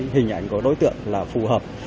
hình ảnh của đối tượng là phù hợp